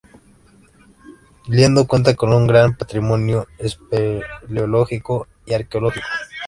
Liendo cuenta con un gran patrimonio espeleológico y arqueológico.